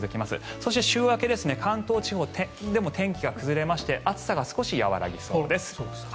そして週明け関東地方でも天気が崩れまして暑さが少し和らぎそうです。